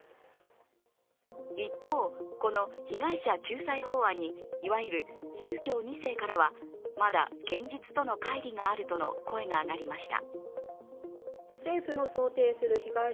一方、この被害者救済法案にいわゆる宗教２世からは、まだ現実とのかい離があるとの声が上がりました。